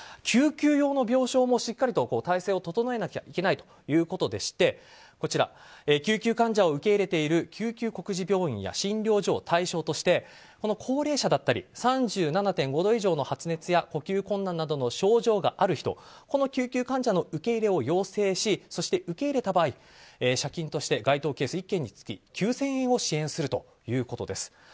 救急用の病床もしっかりと体制を整えなきゃいけないということでして救急患者を受け入れている救急告示病院や診療所を対象として、高齢者だったり３７．５度以上の発熱や呼吸困難などの症状がある人この救急患者の受け入れを要請しそして受け入れた場合謝金として該当ケース１件につき９０００円を支援するということです。